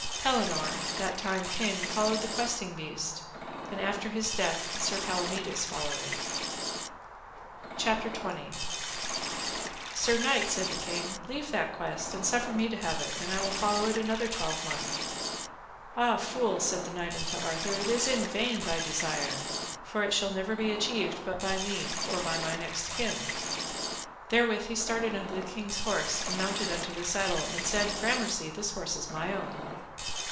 Pellinore, that time king, followed the Questing Beast, and after his death Sir Palamides followed it. CHAPTER XX. How King Pellinore took Arthur's horse and followed the Questing Beast, and how Merlin met with Arthur. Sir knight, said the king, leave that quest, and suffer me to have it, and I will follow it another twelvemonth. Ah, fool, said the knight unto Arthur, it is in vain thy desire, for it shall never be achieved but by me, or my next kin. Therewith he started unto the king's horse and mounted into the saddle, and said, Gramercy, this horse is my own.